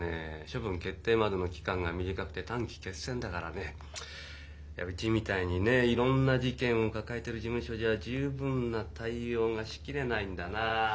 処分決定までの期間が短くて短期決戦だからねうちみたいにねいろんな事件を抱えてる事務所じゃ十分な対応がしきれないんだなあ。